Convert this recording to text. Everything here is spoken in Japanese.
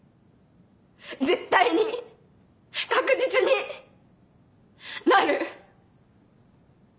絶対に確実になる。